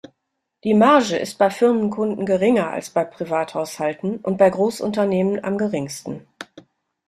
Die Marge ist bei Firmenkunden geringer als bei Privathaushalten und bei Großunternehmen am geringsten.